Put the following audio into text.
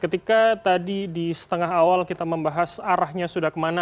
ketika tadi di setengah awal kita membahas arahnya sudah kemana